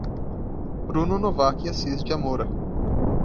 Bruno Novaque Assis de Amora